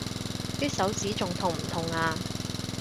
啲手指仲痛唔痛啊？